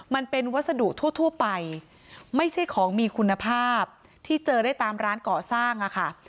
มันเป็นวัสดุทั่วไปไม่ใช่ของมีคุณภาพที่เจอได้ตามร้านก่อสร้างอะค่ะ